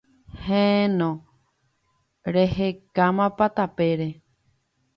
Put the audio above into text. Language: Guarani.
Héẽ, no. Rehekámapa tapére.